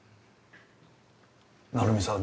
成美さん